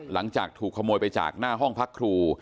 หลังจากถูกขโมยไปจากหน้าห้องพักครู